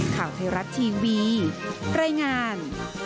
ข่าวไทยรัฐทีวีรายงาน